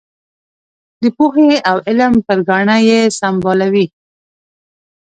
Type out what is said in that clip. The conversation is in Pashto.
د پوهې او علم پر ګاڼه یې سمبالوي.